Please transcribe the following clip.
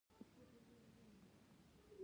جناح پوسټ ګريجويټ ميډيکل انسټيتيوټ کراچۍ کښې